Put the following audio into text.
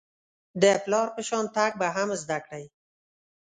د پلار په شان تګ به هم زده کړئ .